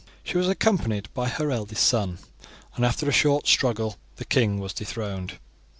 She was accompanied by her eldest son, and after a short struggle the king was dethroned.